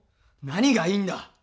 何がいいんだ！